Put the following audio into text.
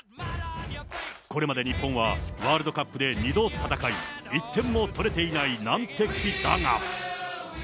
これまで日本はワールドカップで２度戦い、１点も取れていない難敵だが。